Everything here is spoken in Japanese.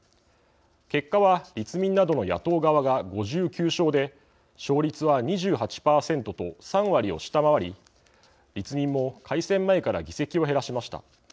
結果は、立民などの野党側が５９勝で勝率は２８％と３割を下回り立民も改選前から議席を減らしました。